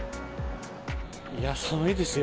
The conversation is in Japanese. いや、寒いですよ。